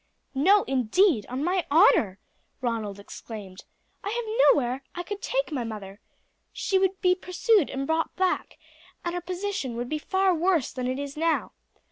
"No, indeed, on my honour!" Ronald exclaimed. "I have nowhere where I could take my mother. She would be pursued and brought back, and her position would be far worse than it is now.